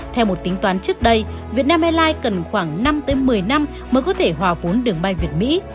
theo một tính toán trước đây việt nam airlines cần khoảng năm một mươi năm mới có thể hòa vốn đường bay việt mỹ